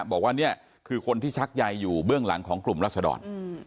บอกว่านี่คือคนที่ชักใยอยู่เบื้องหลังของกลุ่มรัศดร